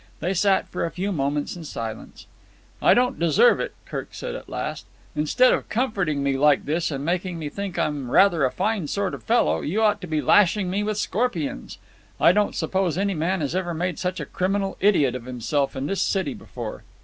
They sat for a few moments in silence. "I don't deserve it," said Kirk at last. "Instead of comforting me like this, and making me think I'm rather a fine sort of a fellow, you ought to be lashing me with scorpions. I don't suppose any man has ever made such a criminal idiot of himself in this city before."